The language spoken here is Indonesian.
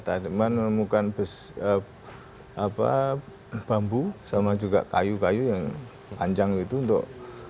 tadi menemukan bambu sama juga kayu kayu yang panjang itu untuk